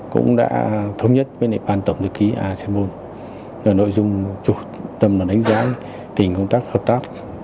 cũng đã thống nhất với ban tổng thư ký asean napol nội dung chủ tâm đánh giá tình công tác hợp tác